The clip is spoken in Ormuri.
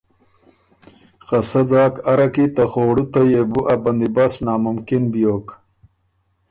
خه سۀ ځاک اره کی ته خوړُو ته يېبُو ا بندیبست ناممکِن بیوک۔